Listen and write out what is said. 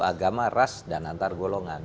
agama ras dan antar golongan